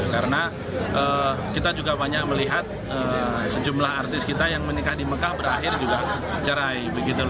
karena kita juga banyak melihat sejumlah artis kita yang menikah di mekah berakhir juga cerai